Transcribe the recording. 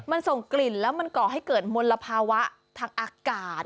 มันส่งกลิ่นแล้วมันก่อให้เกิดมลภาวะทางอากาศ